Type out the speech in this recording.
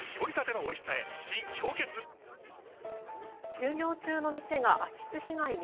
休業中の店が空き巣被害に。